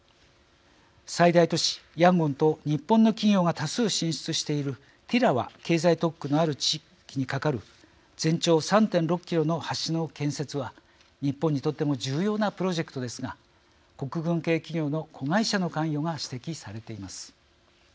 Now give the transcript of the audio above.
最大都市ヤンゴンと日本の企業が多数進出しているティラワ経済特区のある地域に架かる全長３．６キロの橋の建設は日本にとっても重要なプロジェクトですが国軍系企業の子会社の関与が指摘されています。